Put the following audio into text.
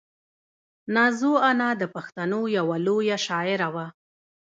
نازو انا د پښتنو یوه لویه شاعره وه.